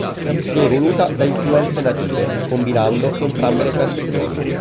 Si è evoluta da influenze native, combinando entrambe le tradizioni.